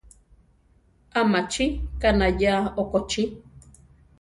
¿A machi kanayéa okochí?